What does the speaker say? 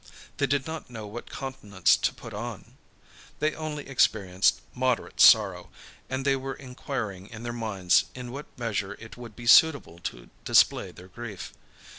They did not know what countenance to put on. They only experienced moderate sorrow, and they were inquiring in their minds in what measure it would be suitable to display their grief.